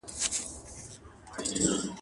مورګنی نظام پلي دی